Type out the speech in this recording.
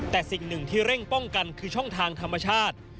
แต่สิ่งหนึ่งที่เร่งป้องกันคือช่องทางธรรมชาติ